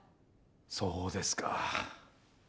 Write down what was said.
そうですか。